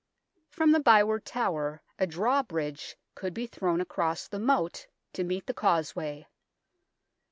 From the Byward Tower a drawbridge could be thrown across the moat to meet the causeway.